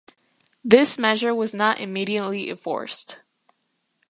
This measure was not immediately enforced.